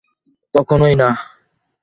কখনই না!